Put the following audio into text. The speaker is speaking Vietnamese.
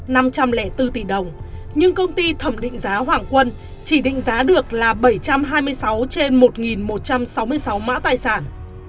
nhưng công ty thẩm định giá hoàng quân chỉ định giá được là bảy trăm hai mươi sáu trên một một trăm sáu mươi sáu mã tài sản